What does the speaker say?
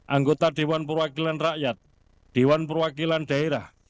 anggota dewan perwakilan rakyat dewan perwakilan daerah